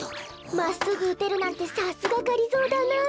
まっすぐうてるなんてさすががりぞーだな。